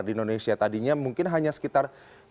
di indonesia tadinya mungkin hanya sekitar